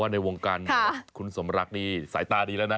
ในวงการคุณสมรักนี่สายตาดีแล้วนะ